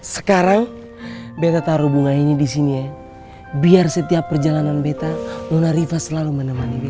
sekarang beta taruh bunganya di sini ya biar setiap perjalanan beta nona riva selalu menemani